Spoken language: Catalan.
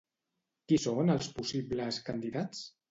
Qui són els possibles candidats?